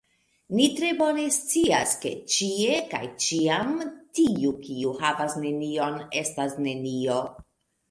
Ni tre bone scias, ke ĉie kaj ĉiam tiu, kiu havas nenion, estas nenio.